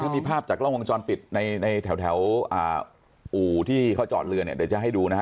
ถ้ามีภาพจากล่องวงจรปิดแถวอู๋ที่เขาจอดเรืออยากให้ดูนะคะ